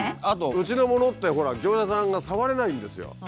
あとうちのものってほら業者さんが触れないんですよ。